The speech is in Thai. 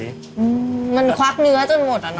มันควักเนื้อจนหมดเหรอเนี่ย